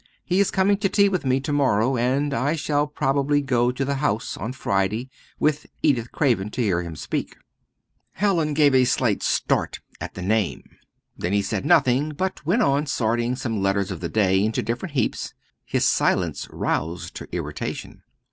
He is coming to tea with me to morrow, and I shall probably go to the House on Friday with Edith Craven to hear him speak." Hallin gave a slight start at the name. Then he said nothing; but went on sorting some letters of the day into different heaps. His silence roused her irritation.